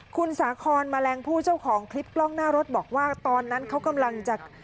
คุณสาคอนแมลงผู้เจ้าของคลิปกล้องหน้ารถบอกว่าตอนนั้นเขากำลังจะ